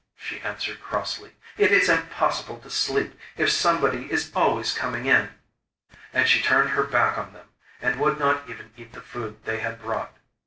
she answered crossly. 'It is impossible to sleep if somebody is always coming in.' And she turned her back on them, and would not even eat the food they had brought.